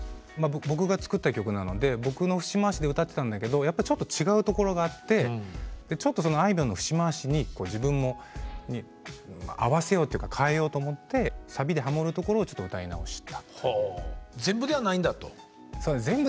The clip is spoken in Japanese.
僕が作った曲なので僕の節回しで歌ってたんだけどやっぱちょっと違うところがあってちょっとそのあいみょんの節回しに自分もまあ合わせようというか変えようと思ってサビでハモるところをちょっと歌い直したという。